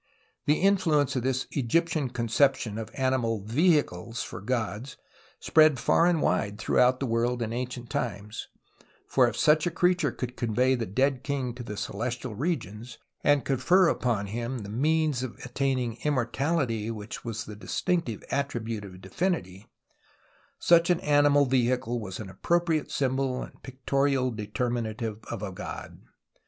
The influence of this Egyptian conception of animal " vehicles " for gods spread far and wide throughout the world in ancient times, for if such a creature could convey the dead king to the celestial regions and confer upon him the means of attaining immortality, which was the dis tinctive attribute of divinity, such an animal vehicle was an appropriate symbol and pictorial determinative of a god.